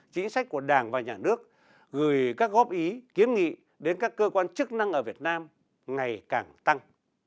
chính sách của đảng và nhà nước gửi các góp ý kiến nghị đến các cơ quan chức năng ở việt nam ngày càng tăng